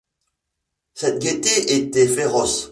Cette gaîté était féroce.